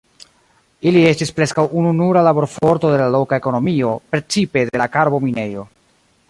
Ili estis preskaŭ ununura laborforto de la loka ekonomio, precipe de la karbo- minejo.